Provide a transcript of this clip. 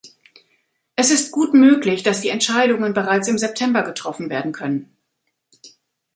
Es ist gut möglich, dass die Entscheidungen bereits im September getroffen werden können.